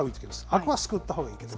あくはすくったほうがいいけど。